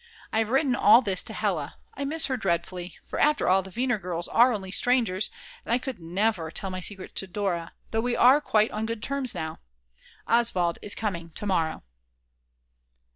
I have written all this to Hella; I miss her dreadfully, for after all the Weiner girls are only strangers, and I could never tell my secrets to Dora, though we are quite on good terms now. Oswald is coming to morrow.